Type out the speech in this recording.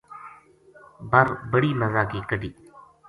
بر بڑی مزا کی کَڈی